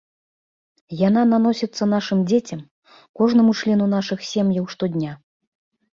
Яна наносіцца нашым дзецям, кожнаму члену нашых сем'яў штодня.